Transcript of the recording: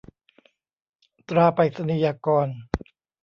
ตราไปรษณียากร